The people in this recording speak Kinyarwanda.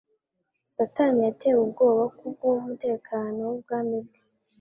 Satani yatewe ubwoba kubw'umutekano w'ubwami bwe